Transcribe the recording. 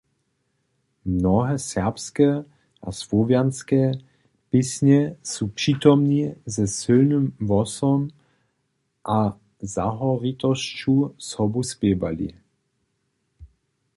Mnohe serbske a słowjanske pěsnje su přitomni ze sylnym hłosom a zahoritosću sobu spěwali.